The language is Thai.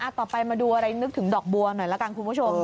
ไปดูอะไรนึกถึงดอกบัวหน่อยละกันคุณผู้ชม